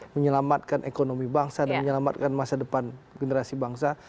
menyelamatkan ekonomi bangsa dan menyelamatkan masa depan generasi bangsa